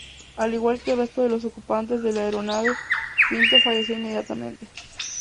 Al igual que el resto de los ocupantes de la aeronave, Pinto falleció inmediatamente.